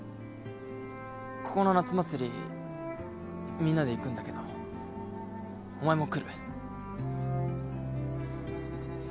ここの夏祭りみんなで行くんだけどお前も来る？